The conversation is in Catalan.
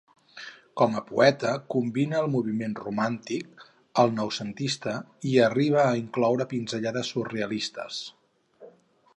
Com a poeta combina el moviment romàntic, el noucentista i arriba a incloure pinzellades surrealistes.